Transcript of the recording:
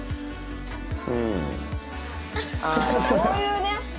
そういうね。